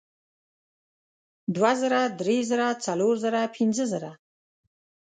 دوه زره درې زره څلور زره پینځه زره